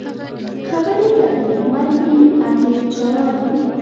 خبرې که د حکمت وي، اغېز ژور وي